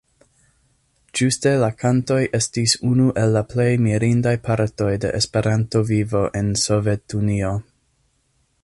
Ĝuste la kantoj estis unu el la plej mirindaj partoj de Esperanto-vivo en Sovetunio.